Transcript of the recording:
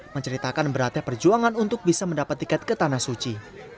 menceritakan beratnya perjuangan untuk bisa mendapat tiket ke tanah suci